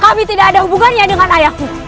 kami tidak ada hubungannya dengan ayahmu